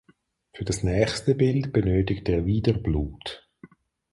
Für das nächste Bild benötigt er wieder Blut.